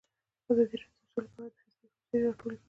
ازادي راډیو د سوله په اړه د فیسبوک تبصرې راټولې کړي.